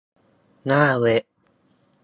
หน้าเว็บ